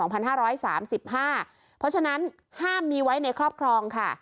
เพราะฉะนั้นห้ามมีไว้ในครอบครองค่ะ